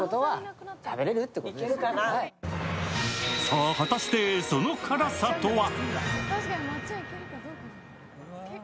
さぁ、果たしてその辛さとは？